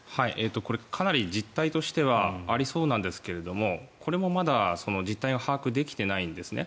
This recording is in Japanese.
かなり、実態としてはありそうなんですけれどもこれもまだ実態を把握できていないんですね。